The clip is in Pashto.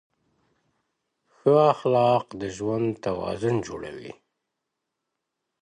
ښه اخلاق د ژوند توازن جوړوي.